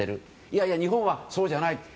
いやいや日本はそうじゃないと。